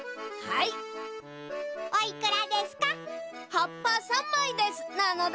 はっぱ３まいですなのだ。